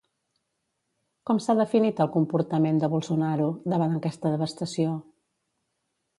Com s'ha definit, el comportament de Bolsonaro, davant aquesta devastació?